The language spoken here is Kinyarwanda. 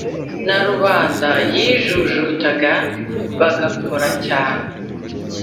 na rubanda yijujutaga bagakora cyane